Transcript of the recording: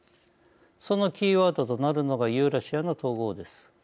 そのキーワードとなるのがユーラシアの統合です。